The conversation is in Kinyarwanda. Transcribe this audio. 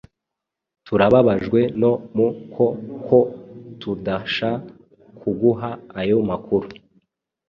Turababajwe no mu ko ko tudasha kuguha ayo makuru.